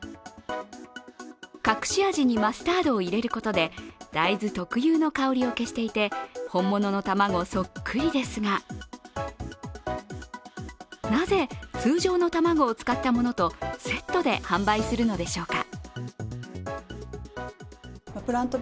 隠し味にマスタードを入れることで大豆特有の香りを消していて、本物の卵そっくりですがなぜ通常の卵を使ったものとセットで販売するのでしょうか。